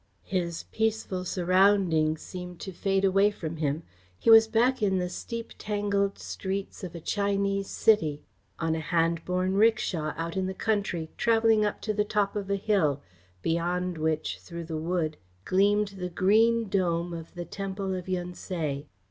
His peaceful surroundings seemed to fade away from him. He was back in the steep tangled streets of a Chinese city, on a hand borne 'rickshaw out in the country, travelling up to the top of a hill, beyond which, through the wood, gleamed the green dome of the Temple of Yun Tse.